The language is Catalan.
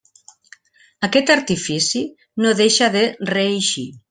Aquest artifici no deixa de reeixir.